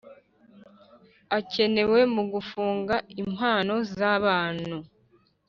Akenewe mu gufunga impano z’abanu